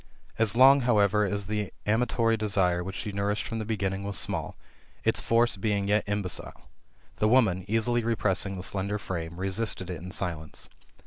As long, however, as the amatory desire, which she nourished from the beginning, was small, its force being yet imbecile, the woman, easily repressing the slender flame, resisted it in silence.